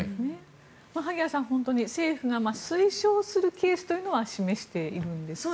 萩谷さん、政府が推奨するケースというのは示しているんですよね。